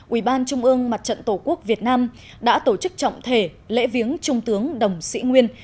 ubnd mặt trận tổ quốc việt nam đã tổ chức trọng thể lễ viếng trung tướng đồng sĩ nguyên